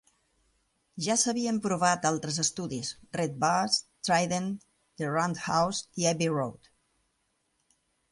Ja s'havien provat altres estudis: Red Bus, Trident, The Roundhouse i Abbey Road.